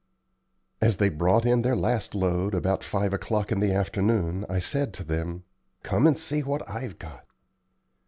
As they brought in their last load about five o'clock in the afternoon I said to them, "Come and see what I've got."